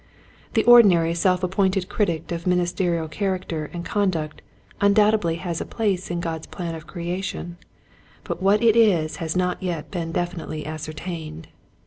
The ordinary self appointed critic of ministerial character and con duct undoubtedly has a place in God's plan of creation, but what it is has not yet been definitely ascertained.